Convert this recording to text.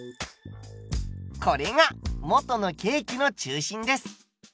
これが元のケーキの中心です。